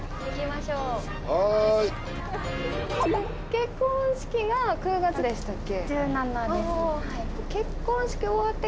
結婚式が９月でしたっけ？